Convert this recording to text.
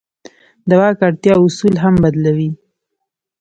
د واک اړتیا اصول هم بدلوي.